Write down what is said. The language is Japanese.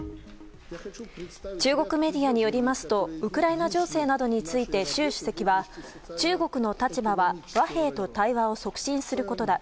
中国メディアによりますとウクライナ情勢について習主席は、中国の立場は和平と対話を促進することだ。